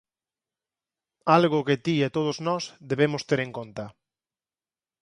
Algo que ti e todos nós debemos ter en conta.